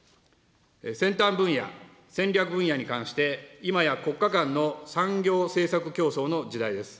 先端分野、戦略分野に関して今や国家間の産業政策競争の時代です。